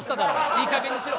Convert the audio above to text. いいかげんにしろ。